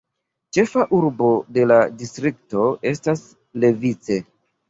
Ĉefa urbo de la distrikto estas Levice.